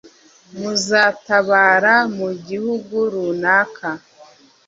muzatabara mu gihugu runaka